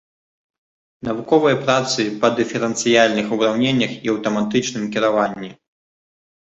Навуковыя працы па дыферэнцыяльных ураўненнях і аўтаматычным кіраванні.